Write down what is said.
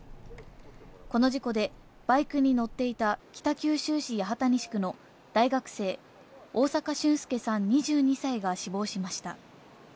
この事故でバイクに乗っていた北九州市八幡西区の大学生・大坂駿介さん、２２歳が死亡しました。